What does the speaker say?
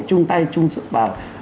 chung tay chung sức vào